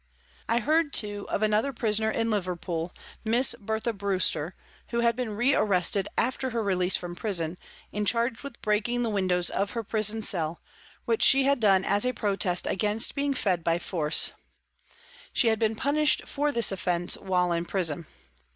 I heard, too, of another prisoner in Liverpool, Miss Bertha Brewster, who had been re arrested after her release from prison, and charged with breaking the windows of her prison cell, which she had done as a protest against being fed by JANE WARTON 235 force. She had been punished for this offence while in prison.